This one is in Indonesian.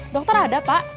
dokter ada pak